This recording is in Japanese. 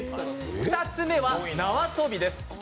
２つ目は縄跳びです。